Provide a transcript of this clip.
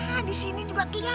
hah disini juga keliatan